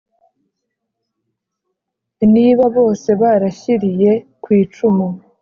niba bose barashiriye kw’icumu